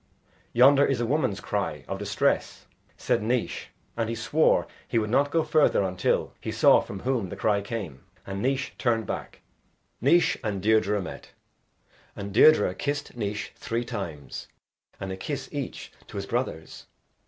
yonder is a woman's cry of distress," said Naois, and he swore he would not go further until he saw from whom the cry came, and Naois turned back. Naois and Deirdre met, and Deirdre kissed Naois three times, and a kiss each to his brothers.